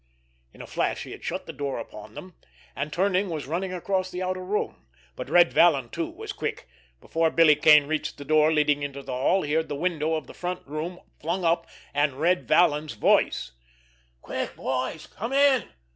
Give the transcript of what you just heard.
In a flash he had shut the door upon them, and, turning, was running across the outer room. But Red Vallon, too, was quick. Before Billy Kane reached the door leading into the hall, he heard the window of the front room flung up—and Red Vallon's voice: "Quick, boys, come in!